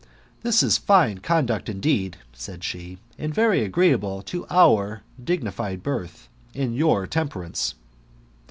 " This is fine conduct, indeed !" said she, " and very agreeable to our dignified birth, 2ind your temperance.